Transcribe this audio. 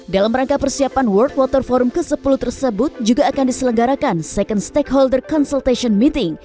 dalam rangka persiapan world water forum ke sepuluh tersebut juga akan diselenggarakan second stakeholder consultation meeting